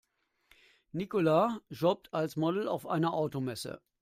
Nicola jobbt als Model auf einer Automesse.